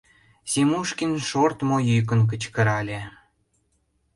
— Семушкин шортмо йӱкын кычкырале.